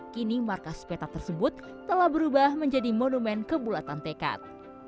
kini markas petak tersebut telah berubah menjadi monumen kebulatan tekad